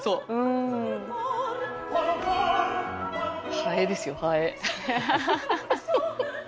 ハエですよハエ。